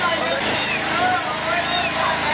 อันดับที่สุดท้ายก็จะเป็น